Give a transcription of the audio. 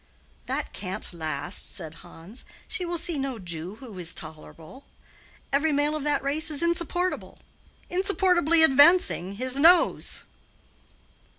"That can't last," said Hans. "She will see no Jew who is tolerable. Every male of that race is insupportable—'insupportably advancing'—his nose."